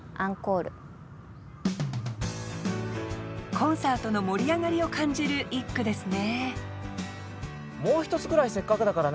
コンサートの盛り上がりを感じる一句ですね